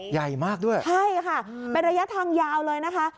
ใหญ่มากด้วยใช่ค่ะเป็นระยะทางยาวเลยนะคะ